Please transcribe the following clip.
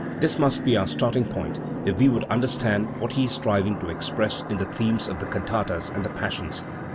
This must be our starting point if we would understand what he is striving to express in the themes of the cantatas and the Passions.